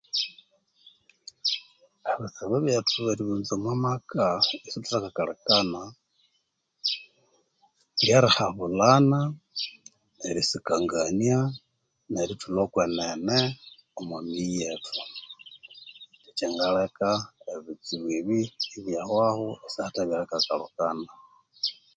Ebitsibu byethu omwamaka thukabighunza isithathakakalhikana